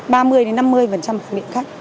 ba mươi năm mươi của miệng khách